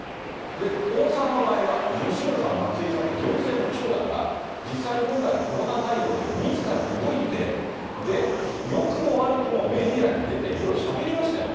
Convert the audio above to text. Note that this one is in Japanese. で、大阪の場合は吉村さん、松井さんって、行政の長だから、実際に今回のコロナ対応でも、みずから動いて、よくも悪くも、メディアに出て、いろいろしゃべりましたよね。